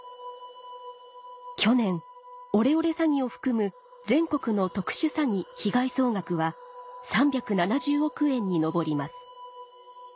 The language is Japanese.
去年オレオレ詐欺を含む全国の特殊詐欺被害総額は３７０億円に上ります